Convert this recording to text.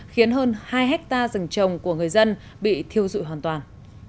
khiến hơn hai hectare rừng trồng của người dân bị thiêu dụi hoàn toàn